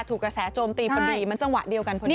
กระแสโจมตีพอดีมันจังหวะเดียวกันพอดี